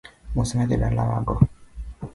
Mosna jo dalawago.